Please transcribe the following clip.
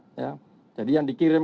setiap saat jadi yang dikirim